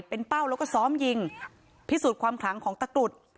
เป็นเป้าแล้วก็ซ้อมยิงพิสูจน์ความขลังของตะกรุด